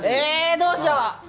どうしよう！